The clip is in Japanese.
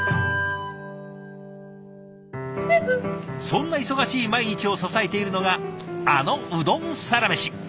そんな忙しい毎日を支えているのがあのうどんサラメシ。